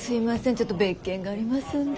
ちょっと別件がありますんで。